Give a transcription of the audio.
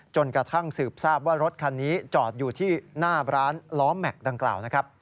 จนกระทั่งสืบทราบว่ารถคันนี้จอดอยู่ที่หน้าร้านล้อแม็กซ์ดังกล่าวนะครับ